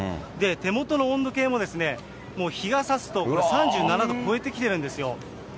手元の温度計も、もう日がさすと、３７度超えてきてるんですよ。